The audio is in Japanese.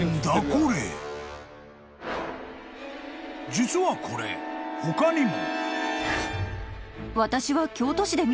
［実はこれ他にも］